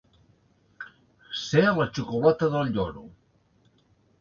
Ser la xocolata del lloro